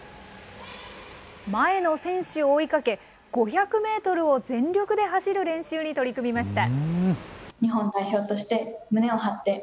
前の選手を追いかけ、５００メートルを全力で走る練習に取り組みました。